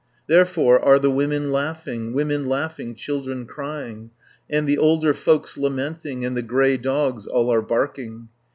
"Therefore are the women laughing, Women laughing, children crying, And the older folks lamenting, And the grey dogs all are barking.